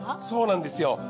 そうなんですよ。